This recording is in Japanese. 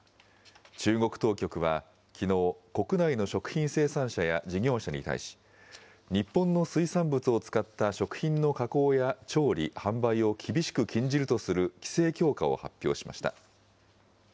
中国当局は、きのう、国内の食品生産者や事業者に対し、日本の水産物を使った食品の加工や調理、販売を厳しく禁じるとする規制強化を発表しました。